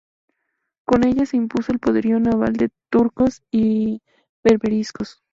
Con ellas se impuso al poderío naval de turcos y berberiscos.